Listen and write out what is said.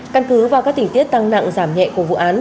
căn cứ vào các tỉnh tiết tăng nặng giảm nhẹ của vụ án